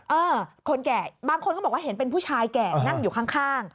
เออคนแก่บางคนก็บอกว่าเห็นเป็นผู้ชายแก่นั่งอยู่ข้าง